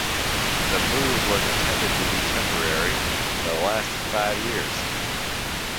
The move was intended to be temporary, but lasted five years.